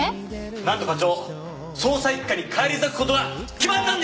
なんと課長捜査一課に返り咲く事が決まったんです！